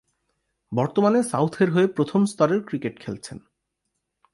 বর্তমানে সাউথের হয়ে প্রথম স্তরের ক্রিকেট খেলছেন।